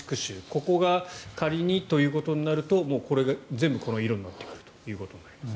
ここが仮にということになるとこれが全部この色になってくることになります。